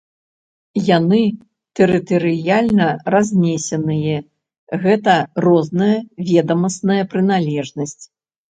Яны тэрытарыяльна разнесеныя, гэта розная ведамасная прыналежнасць.